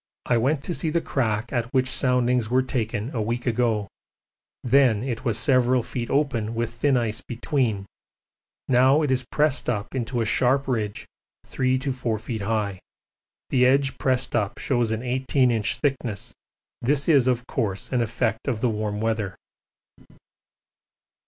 I went to see the crack at which soundings were taken a week ago then it was several feet open with thin ice between now it is pressed up into a sharp ridge 3 to 4 feet high: the edge pressed up shows an 18 inch thickness this is of course an effect of the warm weather.